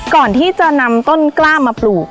ก่อนที่จะนำต้นกล้ามาปลูก